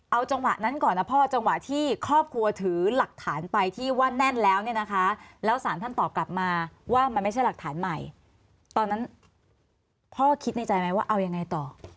เอาจังหวะนั้นก่อนนะพ่อจังหวะที่ครอบครัวถือหลักฐานไปที่ว่าแน่นแล้วเนี่ยนะคะแล้วสารท่านตอบกลับมาว่ามันไม่ใช่หลักฐานใหม่ตอนนั้นพ่อคิดในใจไหมว่าเอายังไงต่อ